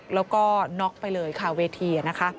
แล้วก็น็อกไปเลยค่ะเวทีนะคะ